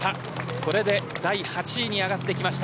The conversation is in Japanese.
これで第８位に上がってきました。